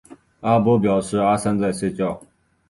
阿伯表示阿三在睡觉